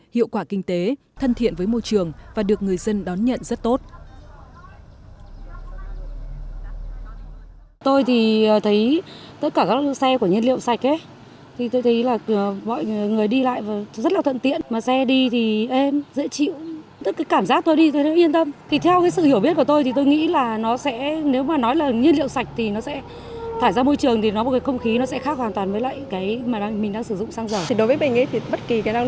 hiệu quả kinh tế thân thiện với môi trường và được người dân đón nhận rất tốt